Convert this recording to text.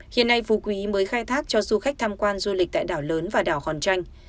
hiện nay phú quý mới khai thác cho du khách tham quan du lịch tại đảo lớn và đảo hòn tranh